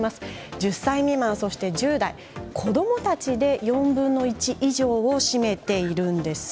１０歳未満そして１０代子どもたちで４分の１以上を占めています。